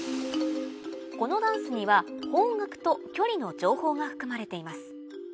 このダンスには方角と距離の情報が含まれています